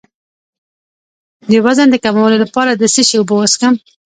د وزن د کمولو لپاره د څه شي اوبه وڅښم؟